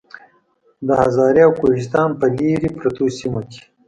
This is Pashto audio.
د هزارې او کوهستان پۀ لرې پرتو سيمو کې